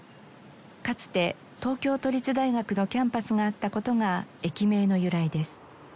かつて東京都立大学のキャンパスがあった事が駅名の由来です。